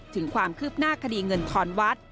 ถึงความคืบหน้าคดีเงินทอนวัด